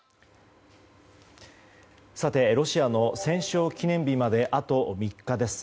ロシアの戦勝記念日まであと３日です。